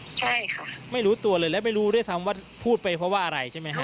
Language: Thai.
ใช่ค่ะไม่รู้ตัวเลยและไม่รู้ด้วยซ้ำว่าพูดไปเพราะว่าอะไรใช่ไหมฮะ